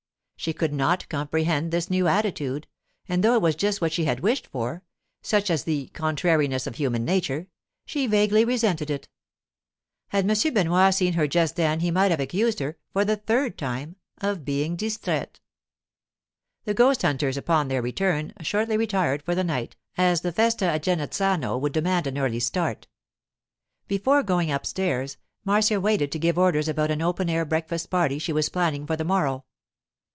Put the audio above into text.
She could not comprehend this new attitude, and though it was just what she had wished for—such is the contrariness of human nature—she vaguely resented it. Had M. Benoit seen her just then he might have accused her, for the third time, of being distraite. The ghost hunters, upon their return, shortly retired for the night, as the festa at Genazzano would demand an early start. Before going upstairs, Marcia waited to give orders about an open air breakfast party she was planning for the morrow.